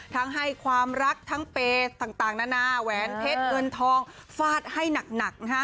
ให้ความรักทั้งเปย์ต่างนานาแหวนเพชรเงินทองฟาดให้หนักนะฮะ